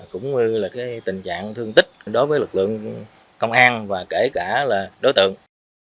cũng như là tình trạng thương tích đối với lực lượng công an và kể cả là đối tượng